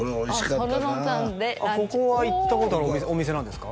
ここは行ったことあるお店なんですか？